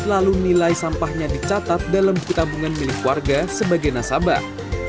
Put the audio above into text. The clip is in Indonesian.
lalu nilai sampahnya dicatat dalam buku tabungan milik warga sebagai nasabah